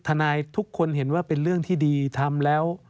ทุกคนเห็นว่าเป็นเรื่องที่ดีทำแล้ว